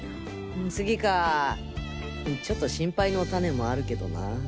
次かぁちょっと心配のタネもあるけどな。